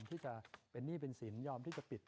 อืม